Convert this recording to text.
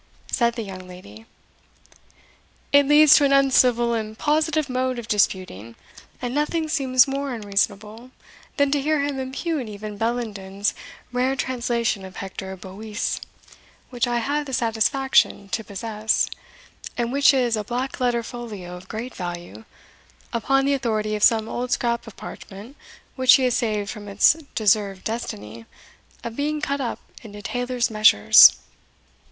said the young lady. "It leads to an uncivil and positive mode of disputing; and nothing seems more unreasonable than to hear him impugn even Bellenden's rare translation of Hector Boece, which I have the satisfaction to possess, and which is a black letter folio of great value, upon the authority of some old scrap of parchment which he has saved from its deserved destiny of being cut up into tailor's measures.